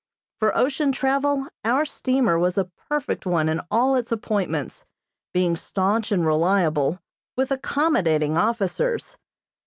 For ocean travel our steamer was a perfect one in all its appointments, being staunch and reliable, with accommodating officers.